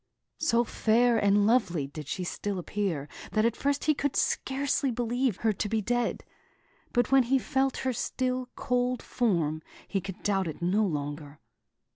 So fair and lovely did she still appear that at first he could scarcely believe her to be dead; but when he felt her still, cold form, he could doubt it no longer.